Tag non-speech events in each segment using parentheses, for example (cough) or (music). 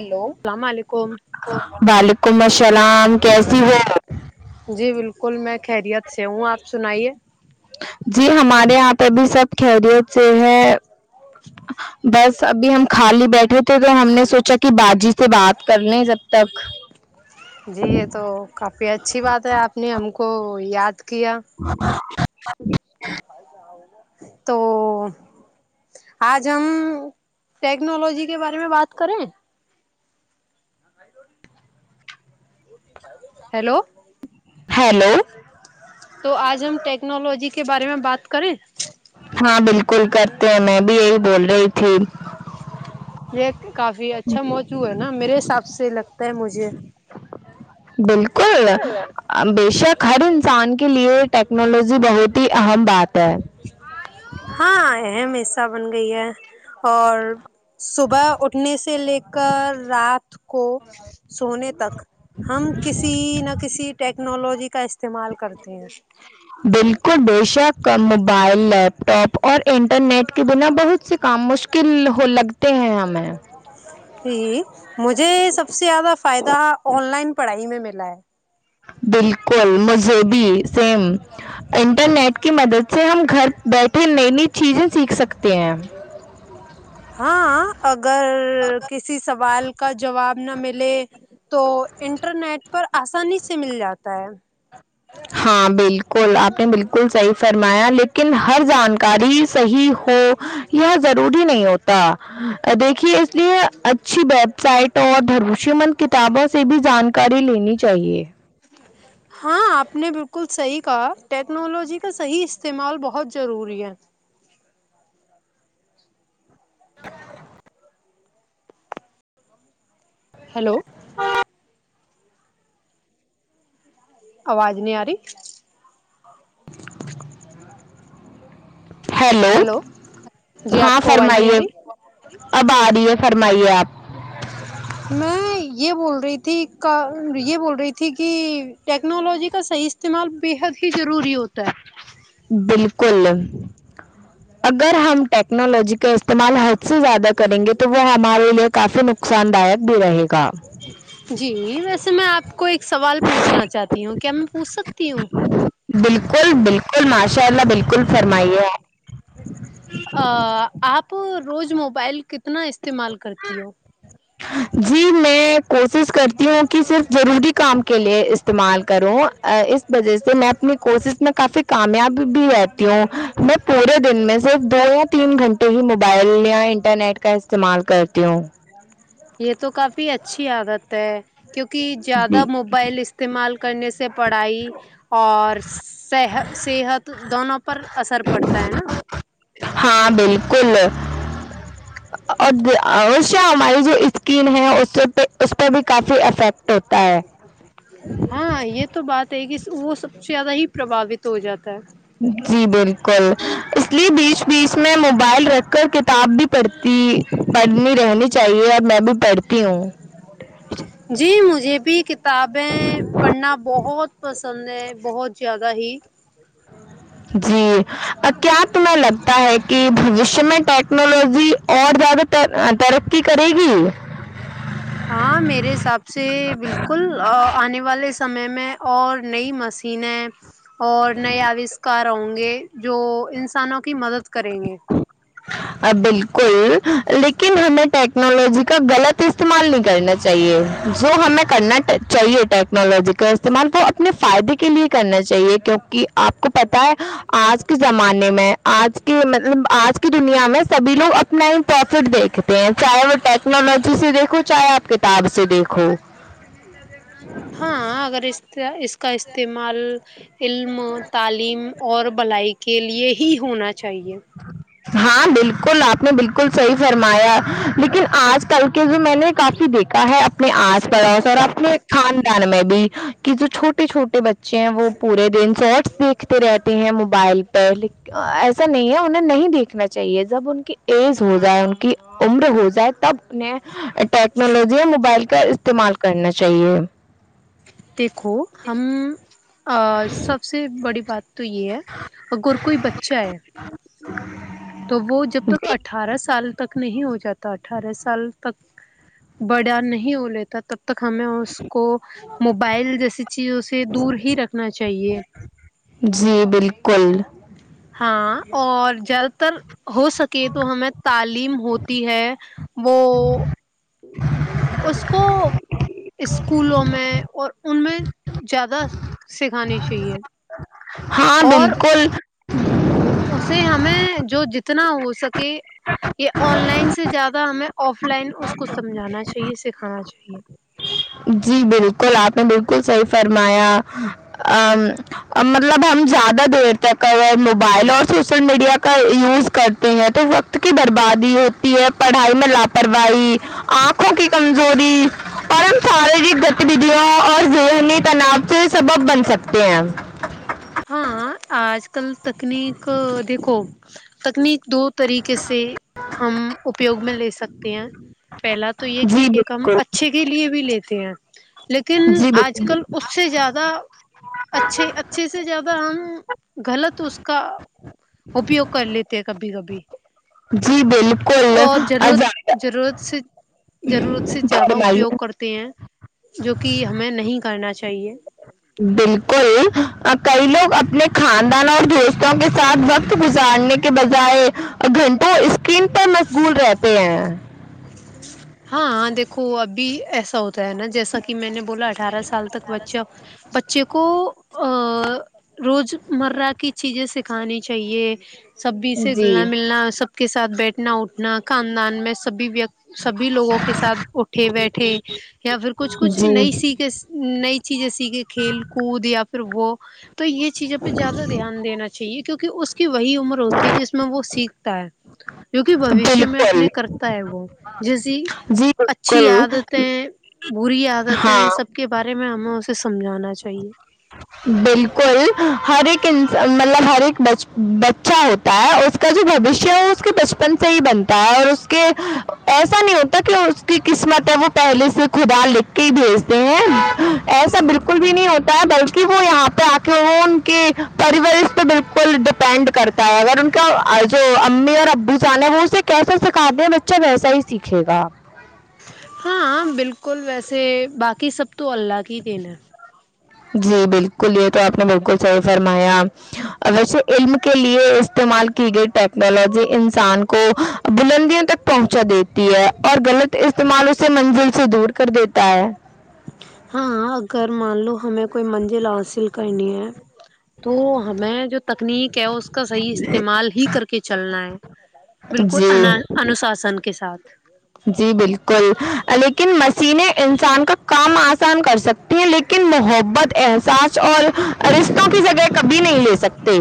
hello السلام علیکم وعلیکم السلام کیسی ہوں آپ جی بالکل میں خیریت سے ہوں آپ سنائیے جی ہمارے یہاں پہ بھی سب خیریت سے ہے بس ابھی ہم خالی بیٹھے تھے تو ہم نے سوچا کہ باجی سے بات کرلے جب تک جی یہ تو کافی اچھی بات ہے آپ نے ہم کو یاد کیا تو آج ہم ٹیکنالوجی کے بارے میں بات کریں ہیلو ہیلو تو آج ہم ٹیکنالوجی کے بارے میں بات کریں ہاں بالکل کرتے ہیں میں بھی یہی بول رہی تھی یہ کافی اچھا موجوع ہے نا میرے حساب سے لگتا ہے مجھے بالکل بے شک ہر انسان کے لیے ٹیکنالوجی بہت ہی اہم بات ہے ہاں اہم حصہ بن گئی ہے اور صبح اٹھنے سے لے کر رات کو سونے تک ہم کسی نہ کسی ٹیکنالوجی کا استعمال کرتے ہیں بالکل بے شک موبائل لیپ ٹاپ اور انٹرنیٹ کے بنا بہت سے کام مشکل ہو لگتے ہیں ہمیں جی مجھے سب سے زیادہ فائدہ آن لائن پڑھائی میں ملا ہے بالکل مذہبی سیم انٹرنیٹ کی مدد سے ہم گھر بیٹھے نئی نئی چیزیں سیکھ سکتے ہیں ہاں اگر کسی سوال کا جواب نہ ملے تو انٹرنیٹ پر آسانی سے مل جاتا ہے ہاں بالکل آپ نے بالکل صحیح فرمایا لیکن ہر جانکاری صحیح ہو یہ ضروری نہیں ہوتا دیکھیے اس لیے اچھی ویب سائٹ اور بھرپوس شی مند کتابوں سے بھی جانکاری لینی چاہیے ہاں آپ نے بالکل صحیح کہا ٹیکنالوجی کا صحیح استعمال بہت ضروری ہے (inaudible) ہیلو آواز نہیں آ رہی ہیلو جی آپ ہاں کو آواز نہیں آ فرمائیے رہی اب آ رہی ہے فرمائیے آپ میں (inaudible) (inaudible) یہ بول رہی تھی کا بول رہی تھی کہ ٹیکنالوجی کا صحیح استعمال بےحد ہی ضروری ہوتا ہے بالکل اگر ہم ٹیکنالوجی کا استعمال حد سے زیادہ کریں گے تو وہ ہمارے لیے کافی نو نقصان دائک بھی رہے گا جی ویسے میں آپ کو ایک سوال پوچھنا چاہتی ہوں کیا میں پوچھ سکتی ہوں بالکل بالکل ماشاء اللہ بالکل فرمائیے آ آں آپ روز موبائل کتنا استعمال کرتی ہو جی میں کوشش کرتی ہوں کہ صرف ضروری کام کے لیے استعمال کروں اس وجہ سے میں اپنی کوشش میں کافی کامیاب بھی رہتی ہوں میں پورے دن میں صرف دو یا تین گھنٹے ہی موبائل یا انٹرنیٹ کا استعمال کرتی ہوں یہ تو کافی اچھی عادت ہے کیونکہ جی زیادہ موبائل اس استعمال کرنے سے پڑھائی اور صحت صحت دونوں پر اثر پڑتا ہے نا ہاں بالکل اور اسے ہماری جو اسکن ہے اس پہ اس پہ بھی کافی افیکٹ ہوتا ہے ہاں یہ تو بات ہے کہ وہ سب سے زیادہ ہی پربھاوت ہو جاتا ہے جی بالکل اس لیے بیچ بیچ میں موبائل رکھ کر کتاب بھی پڑھتی پڑھنی رہنی چاہیے میں بھی پڑھتی ہوں جی مجھے بھی کتابیں پڑھنا بہت پسند ہے بہت زیادہ ہی ا جی کیا تمہیں لگتا ہے کہ بھویش میں ٹیکنالوجی اور زیادہ تر ترقی کرے گی ہاں میرے حساب سے بالکل اں آنے والے سمے میں اور نئی مسینیں اور نئے آوشکار ہوں گے جو انسانوں کی مدد کریں گے بالکل لیکن ہمیں ٹیک کنالوجی کا غلط استعمال نہیں کرنا چاہیے جو ہمیں کرنا چاہیے ٹیکنالوجی کا استعمال وہ اپنے فائدے کے لیے کرنا چاہیے کیونکہ آپ کو پتہ ہے آج کے زمانے میں آج کے مطلب آج کے دنیا میں سبھی لوگ اپنا ہی پروفٹ دیکھتے ہیں چاہے وہ ٹیکنالوجی سے دیکھو چاہے آپ کے کتاب سے دیکھو ہاں اگر اس اس کا استعمال علم تعلیم اور بھلائی کے لیے ہی ہونا چاہیے ہ ہاں بالکل آپ نے بالکل صحیح فرمایا لیکن آج کل کے جو میں نے کافی دیکھا ہے اپنے آس پڑوس اور اپنے خاندان میں بھی کہ جو چھوٹے چھوٹے بچے ہیں وہ پورے دن سیٹس دیکھتے رہتے ہیں موبائل پر ایسا نہیں ہے انہیں نہیں دیکھنا چاہیے جب ان کی ایج ہو جائے ان کی عمر ہو جائے تب انہیں ٹیکنالوجی اور موبائل کا استعمال کرنا چاہیے دیکھو ہم سب سے بڑی بات تو یہ ہے اگر کوئی بچہ ہے تو وہ جب تک جی اٹھارہ سال تک نہیں ہو جاتا اٹھارہ سال تک بڑا نہیں ہو لیتا تب تک ہمیں اس کو موبائل جیسی چیزوں سے دور ہی رکھنا چاہیے جی بالکل ہاں اور زیادہ تر ہو سکے تو ہمیں تعلیم ہوتی ہے وہ اس کو اسکولوں میں اور ان میں زیادہ سے کھانی چاہیے ہاں اور بالکل اسے ہمیں جو جتنا ہو سکے یہ آن لائن سے زیادہ ہمیں آف لائن اس کو سمجھانا چاہیے سکھانا چاہیے جی بالکل آپ نے بالکل صحیح فرمایا مطلب ہم زیادہ دیر تک ا موبائل اور شوشل میڈیا کا یوز کرتے ہیں تو وقت کی بربادی ہوتی ہے پڑھائی میں لاپرواہی آنکھوں کی کمزوری اور ہم شاریرک گتیودیا اور ذہنی تناؤ سے سبب بن سکتے ہیں ہاں آج کل تکنیک دیکھو تکنیک دو طریقے سے ہم اپیوگ میں لے سکتے ہیں پہلا تو یہ کہ جی ایک ہم بالکل اچھے کے لیے بھی لیتے ہیں لیکن جی آج بالکل کل اس سے زیادہ اچھے اچھے سے سب سے زیادہ ہم غلط اس کا اپیوگ کر لیتے ہیں کبھی کبھی جی بلکل اور ضرورت ضرورت سے ضرورت سے زیادہ اپیوگ فرمائیے کر ہیں جو کہ ہمیں نہیں کرنا چاہیے بالکل کئی لوگ اپنے خاندان اور دوستوں کے ساتھ وقت گزارنے کے کے بجائے گھنٹوں اسکرین پر مشغول رہتے ہیں ہاں دیکھو ابھی ایسا ہوتا ہے نا جیسا کہ میں نے بولا اٹھارہ سال تک بچہ بچے کو روز مرہ کی چیزیں سکھانی چاہیے سبھی سے جی گھلنا ملنا سب کے ساتھ بیٹھنا اٹھنا خاندان میں سبھی ویک سبھی لوگوں کے ساتھ اٹھے بیٹھے یا پھر کچھ کچھ جی نئی سیکھ نئی چیزیں سیکھیں کھیل کود یا پھر وہ تو یہ چیزوں پہ زیادہ دھیان دینا چاہیے کیونکہ اس کی وہی عمر ہوتی ہے جس میں وہ سیکھتا ہے جو کہ بھاوشیہ میں بالکل اپنے کرتا ہے وہ جیسی جی اچھی بالکل آدتیں بری عادتیں ہاں سب کے بارے میں ہمیں اسے سمجھانا چاہیے بالکل ہر ایک انسان مطلب ہر ایک بچ بچہ ہو اس کا جو بھاوشیہ ہے وہ اس کے بچپن سے ہی بنتا ہے اور اس کے ایسا نہیں ہوتا کہ کی قسمت ہے وہ پہلے سے خدا لکھ کے ہی بھیجتے ہیں ایسا بالکل بھی نہیں ہوتا بلکہ کہ وہ یہاں پہ آ کے وہ ان کے پرورش پہ بالکل ڈیپینڈ کرتا ہے اگر ان کا جو امی اور ابو سانے سے کیسا سکھا د ہیں بچہ ویسا ہی سیکھے گا ہاں بالکل ویسے باقی سب تو اللہ کی ہی دین ہے جی بالکل یہ تو آپ نے بالکل صحیح فرمایا ویسے علم کے لیے استعمال کی گئی ٹیکنالوجی انسان کو بلندیوں تک پہنچا دیتی ہے اور غلط استعمال اسے منزل سے دور کر دیتا ہے ہاں اگر مان لو ہمیں کوئی منزل حاصل کرنی ہے تو ہمیں جو تکنیک ہے اس کا صحیح استعمال ہی کر کے چلنا ہے بالکل جی انا انوساسن کے ساتھ جی بالکل لیکن مشینیں انسان کا کام آسان کر سک لیکن محبت احساس اور رشتوں کی جگہ کبھی نہیں لے سکتے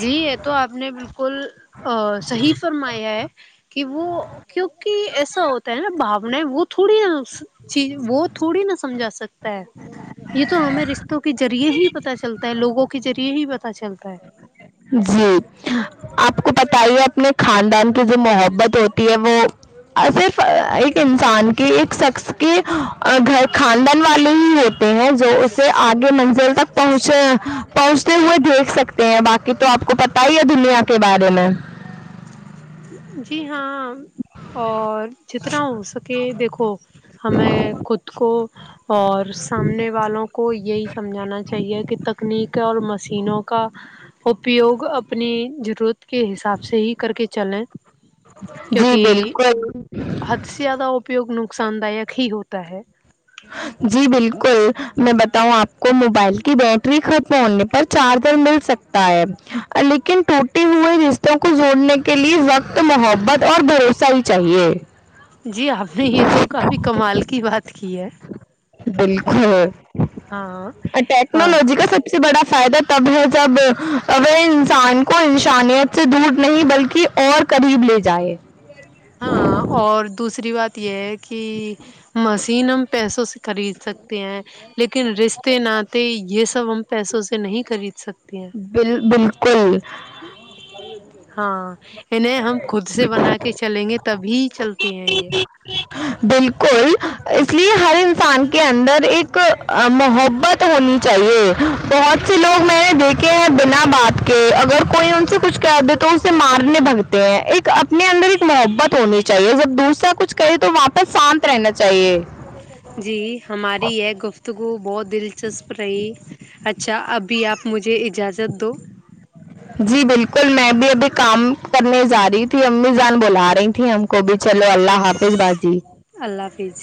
جی یہ تو آپ نے بالکل ا صحیح فرمایا ہے کہ وہ کیونکہ ایسا ہوتا ہے نا بھاوناے وہ تھوڑی چیز وہ تھوڑی نہ سمجھا سکت یہ تو ہمیں رشتوں کے جریعے ہی پتا چلتا ہے لوگوں کے جریعے ہی پتا چلتا ہے جی آپ کو پتائیے اپنے خاندان کی جو محبت ہوتی ہے وہ صرف ایک انسان کی ایک شخص کی گھر خاندان والے ہی ہوتے ہیں جو اسے آگے منزل تک پہنچ پہنچتے ہوئے دیکھ سکتے ہیں باقی تو آپ کو پتا ہی ہے دنیا کے بارے میں جی ہاں اور جتنا ہو سکے دیکھو ہمیں خود کو اور سامنے والوں کو یہی سمجھانا چاہیے کہ تکنیک اور مسینوں کا اپیوگ اپنی جرورت کے حساب سے ہی کر کے چلیں جی کیونکہ بالکل حد سے زیادہ اپیوگ نقصاندہ ہی ہوتا ہے جی بالکل میں بتاؤں آپ کو موبائل کی بیٹری ختم ہونے پر چارجر مل سکت تانے لیکن ٹوٹے ہوئے رشتوں کو جوڑنے کے لیئے وقت تو محبت اور بھروسہ ہی چاہیے جی آفے یہ تو کافی کمال کی بات کی ہے بالکل ہاں اور ہاں ٹیکنالوجی کا سب سے بڑا فائدہ تب ہے جب اگر انسان کو انسانیت سے دور نہیں بلکہ اور قریب لے جائے ہاں اور دوسری بات یہ ہے کہ مسین ہم پیسوں سے خرید سکتے ہیں لیکن رشتے ناتے یہ سب ہم پیسوں سے نہیں خرید سکتے ہیں بل بالکل ہاں انہیں ہم خود سے بنا کے چلیں گے تبھی چلتے ہیں یہ بالکل اس لیے ہر انسان کے اندر ایک محبت ہونی چاہیے بہت سے لوگ میں نے دیکھے ہیں بنا بات کے اگر کوئی ان سے کچھ کہ تو اسے مارنے بگتے ہیں ایک اپنے اندر ایک محبت ہونی چاہیے جب دوسرا کچھ کہے تو واپس پر ساتھ رہنا چاہیے جی ہماری یہ گفتگو بہت دلچسپ رہی اچھا ابھی آپ مجھے اجازت دو جی بالکل میں بھی ابھی کام کرنے جا رہی تھی امی جان بلا رہی تھی ہم کوبھی چلو اللہ حافظ باجی اللہ حافظ